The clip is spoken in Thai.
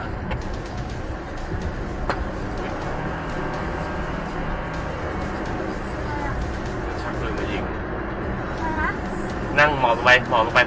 ตอนนี้จะเปลี่ยนอย่างนี้หรอว้าง